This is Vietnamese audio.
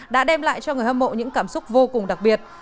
đã đem lại cho người hâm mộ những cảm xúc vô cùng đặc biệt